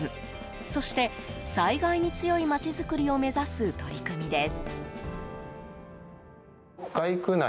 そして、災害に強い街づくりを目指す取り組みです。